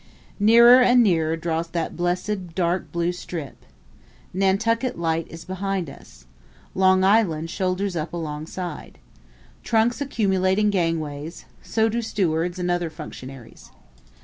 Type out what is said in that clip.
Nearer and nearer draws that blessed dark blue strip. Nantucket light is behind us. Long Island shoulders up alongside. Trunks accumulate in gangways; so do stewards and other functionaries.